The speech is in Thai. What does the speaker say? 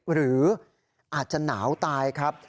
หรืออาจจะหนาวตายครับ